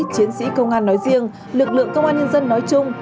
chiến sĩ công an nói riêng lực lượng công an nhân dân nói chung